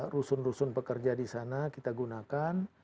rusun rusun pekerja di sana kita gunakan